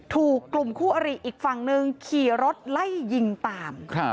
ถูกกลุ่มคู่อริอีกฝั่งนึงขี่รถไล่ยิงตาม